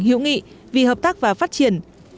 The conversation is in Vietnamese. hiểu nghị vì hợp tác và phát triển